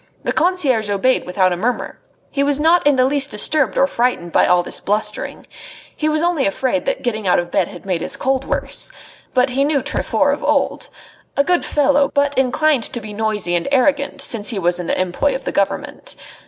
The concierge obeyed without a murmur. He was not in the least disturbed or frightened by all this blustering. He was only afraid that getting out of bed had made his cold worse. But he knew Tournefort of old. A good fellow, but inclined to be noisy and arrogant since he was in the employ of the Government.